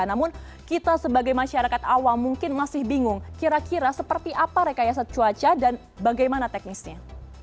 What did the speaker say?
namun kita sebagai masyarakat awam mungkin masih bingung kira kira seperti apa rekayasa cuaca dan bagaimana teknisnya